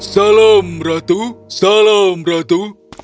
salam ratu salam ratu